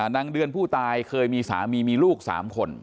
เดือนผู้ตายเคยมีสามีมีลูก๓คน